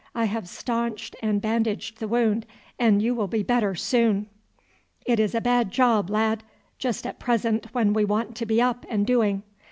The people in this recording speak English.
"I have staunched and bandaged the wound, and you will be better soon." "It is a bad job, lad; just at present when we want to be up and doing."